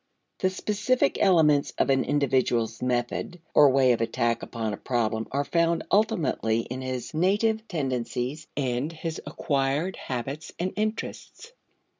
The specific elements of an individual's method or way of attack upon a problem are found ultimately in his native tendencies and his acquired habits and interests.